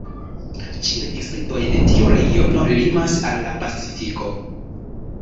Ĉiuj distriktoj de tiu regiono limas al la pacifiko.